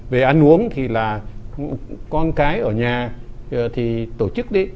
về ăn uống thì là con cái ở nhà thì tổ chức đấy